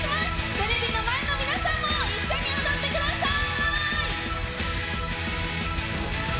テレビの前の皆さんも、一緒に踊ってください。